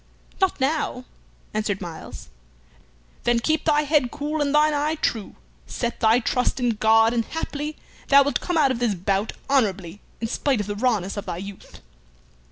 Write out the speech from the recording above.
"Not now," answered Myles. "Then keep thy head cool and thine eye true. Set thy trust in God, and haply thou wilt come out of this bout honorably in spite of the rawness of thy youth."